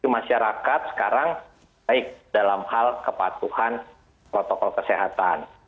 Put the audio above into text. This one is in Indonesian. masyarakat sekarang baik dalam hal kepatuhan protokol kesehatan